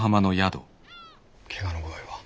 怪我の具合は？